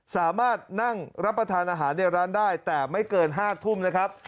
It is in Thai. สามารถนั่งรับประทานอาหารในร้านได้แต่ไม่เกิน๕ทุ่มนะครับ